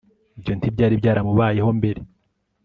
Ibyo ntibyari byaramubayeho mbere